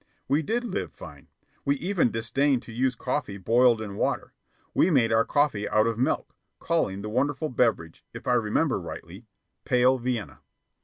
We did live fine. We even disdained to use coffee boiled in water. We made our coffee out of milk, calling the wonderful beverage, if I remember rightly, "pale Vienna."